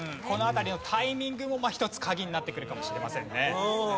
この辺りのタイミングも一つ鍵になってくるかもしれませんね。